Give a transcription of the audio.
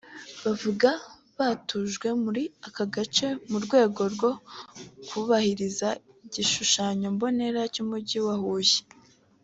Bavuga batujwe muri aka gace mu rwego rwo kubahiriza igishushanyo mbonera cy’umugi wa Huye